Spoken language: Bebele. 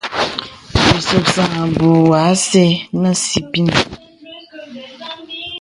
Bì suksan àbùù wɔ asə̀ nə sìpìnə.